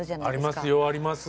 ありますよあります。